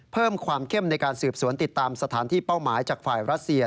เพิ่มความเข้มในการสืบสวนติดตามสถานที่เป้าหมายจากฝ่ายรัสเซีย